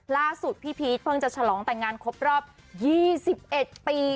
ล่าสุดพี่พีชเพิ่งจะฉลองแต่งงานครบรอบ๒๑ปี